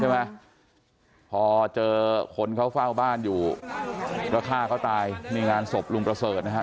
ใช่ไหมพอเจอคนเขาเฝ้าบ้านอยู่ก็ฆ่าเขาตายนี่งานศพลุงประเสริฐนะฮะ